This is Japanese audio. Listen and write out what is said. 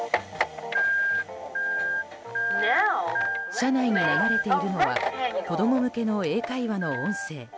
車内に流れているのは子供向けの英会話の音声。